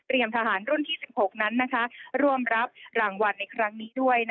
เรียมทหารรุ่นที่๑๖รวมรับรางวัลในครั้งนี้ด้วย